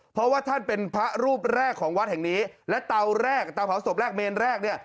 เพราะว่าท่านเป็นพระรูปแรกของวัดแห่งนี้และเตาแรกเตาเผาศพแรกเมนแรกเนี่ย